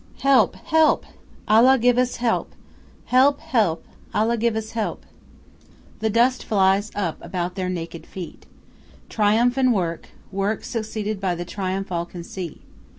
"Help! Help! Allah give us help! Help! Help! Allah give us help!" The dust flies up about their naked feet. Triumph and work; work succeeded by the triumph all can see.